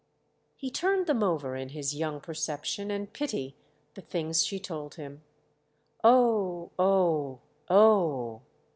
He turned them over in his young perception and pity, the things she told him. "Oh, oh, oh!"